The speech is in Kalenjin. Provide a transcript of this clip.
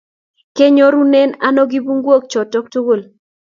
Kenyorunen ano kibunguok choto tugul?